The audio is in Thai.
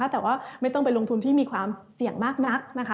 แต่ว่าไม่ต้องไปลงทุนที่มีความเสี่ยงมากนักนะคะ